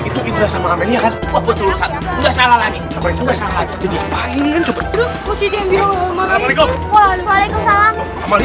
tidak salah lagi